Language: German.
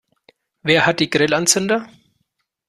Wer hat die Grillanzünder?